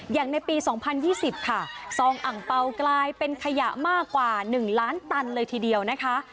อย่างในปี๒๐๒๐ค่ะซองอังเปล่ากลายเป็นขยะมากกว่า๑ล้านตันเลยทีเดียวนะคะ